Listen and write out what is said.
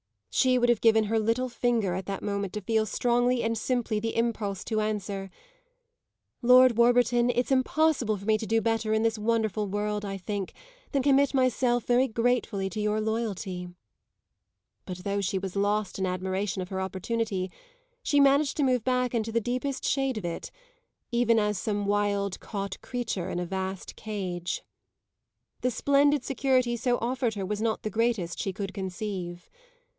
She would have given her little finger at that moment to feel strongly and simply the impulse to answer: "Lord Warburton, it's impossible for me to do better in this wonderful world, I think, than commit myself, very gratefully, to your loyalty." But though she was lost in admiration of her opportunity she managed to move back into the deepest shade of it, even as some wild, caught creature in a vast cage. The "splendid" security so offered her was not the greatest she could conceive.